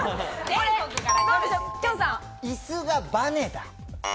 椅子がバネだ。